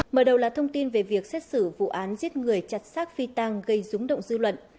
mở đầu là thông tin về việc xét xử vụ án giết người chặt xác phi tăng gây rúng động dư luận